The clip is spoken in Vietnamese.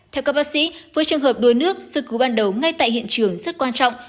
theo các bác sĩ với trường hợp đuối nước sự cứu ban đầu ngay tại hiện trường rất quan trọng